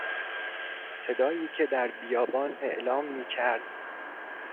صدایی که در بیابان اعلام میکرد...